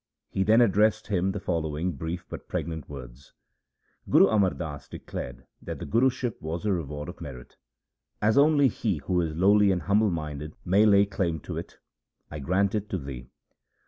He then addressed him the following brief but pregnant words :' Guru Amar Das declared that the Guruship was the reward of merit. As only he who is lowly and humble minded may lay claim to it, I grant it to thee.'